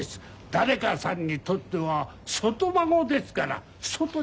誰かさんにとっては外孫ですから外に立ってて当然です。